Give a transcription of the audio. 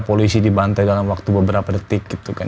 polisi dibantai dalam waktu beberapa detik gitu kan